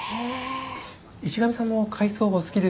石上さんも海藻お好きですか？